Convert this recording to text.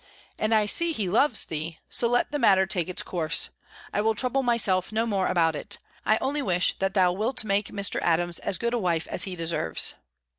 And I see he loves thee So let the matter take its course; I will trouble myself no more about it. I only wish, that thou wilt make Mr. Adams as good a wife as he deserves."